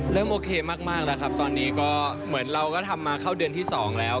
โอเคมากแล้วครับตอนนี้ก็เหมือนเราก็ทำมาเข้าเดือนที่๒แล้ว